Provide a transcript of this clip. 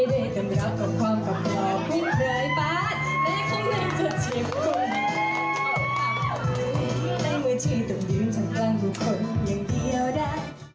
ได้เวชีตรงนี้จากกลางทุกคนอย่างเดียวได้